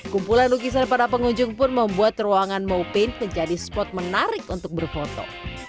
kumpulan lukisan para pengunjung pun membuat ruangan mopa menjadi spot menarik untuk berfoto